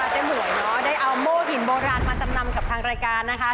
ต้องบอกว่าเจ้าหน่วยได้เอาโมหินโบราณมาจำนำกับทางรายการนะคะ